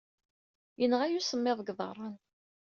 Yenɣa-iyi usemmiḍ deg yiḍarren.